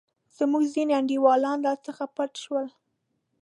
زموږ ځیني انډیوالان راڅخه پټ شول.